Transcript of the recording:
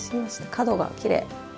角がきれい。